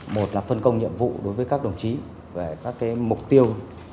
một là phân công nhiệm vụ đối với các đồng chí về các mục tiêu